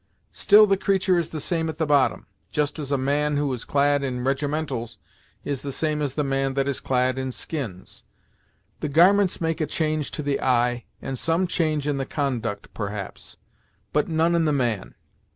Still the creatur' is the same at the bottom; just as a man who is clad in regimentals is the same as the man that is clad in skins. The garments make a change to the eye, and some change in the conduct, perhaps; but none in the man.